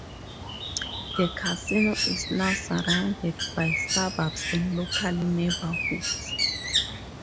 The casino is now surrounded by suburbs and local neighbourhoods.